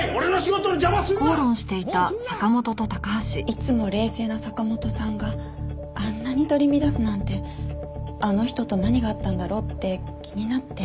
いつも冷静な坂本さんがあんなに取り乱すなんてあの人と何があったんだろうって気になって。